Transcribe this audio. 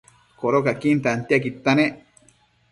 Codocaquin tantiaquidta nec